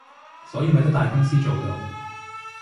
所以咪得大公司做到